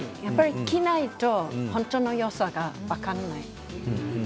着ないと本当のよさが分からない。